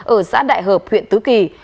ở xã đại hợp huyện tứ kỳ